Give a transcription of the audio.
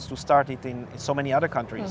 yang ingin memulainya di banyak negara lain